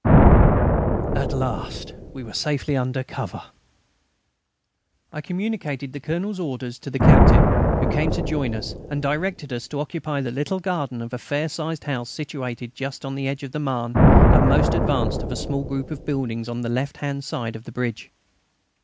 At last we were safely under cover! I communicated the Colonel's orders to the Captain, who came to join us, and directed us to occupy the little garden of a fair sized house situated just on the edge of the Marne and the most advanced of the small group of buildings on the left hand side of the bridge.